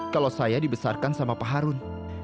kalau saya dibesarkan sama pak harun